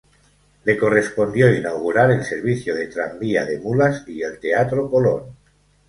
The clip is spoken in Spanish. Le correspondió inaugurar el servicio de tranvía de mulas y el Teatro Colón.